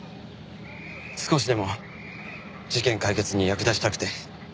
少しでも事件解決に役立ちたくて。